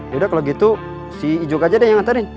ndak kalau gitu si ijuk aja deh yang nganterin